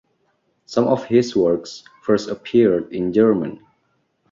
Some of his works first appeared in German.